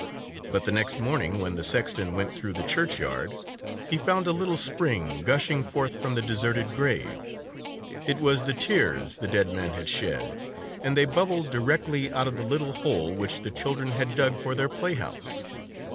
But the next morning, when the sexton went through the churchyard, he Tales of Modem Germany 99 found a little spring gushing forth from the deserted grave. It was the tears the dead man had shed, and they bubbled directly out of the little hole which the children had dug for their playhouse.